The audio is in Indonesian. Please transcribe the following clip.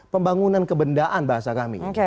pembangunan kebendaan bahasa kami